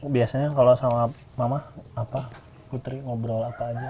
biasanya sama mama putri ngobrol apa aja